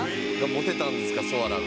モテたんですかソアラが。